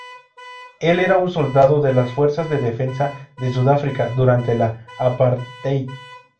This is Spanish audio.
Él era un soldado de la Fuerzas de Defensa de Sudáfrica, durante el apartheid.